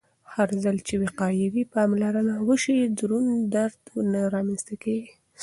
هرځل چې وقایوي پاملرنه وشي، دروند درد نه رامنځته کېږي.